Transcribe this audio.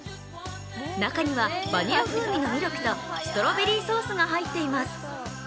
中にはバニラ風味のミルクとストロベリーソースが入っています。